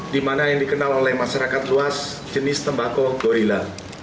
di mana yang dikenal oleh masyarakat luas jenis tembakau gorilla